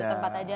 satu tempat aja